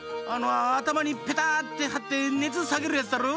あたまにペタッてはってねつさげるやつだろ？